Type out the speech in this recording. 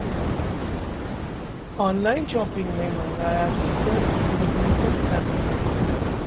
Online shopping में मंगाया speaker, निकले पत्थर!